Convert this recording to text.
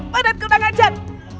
padat kudang ajar